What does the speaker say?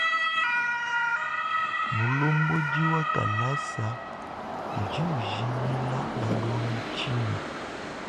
Mulombodi wa kalasa udi ujingila balongi tshinyi?